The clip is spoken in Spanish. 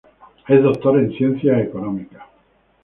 Es doctor en ciencias económicas.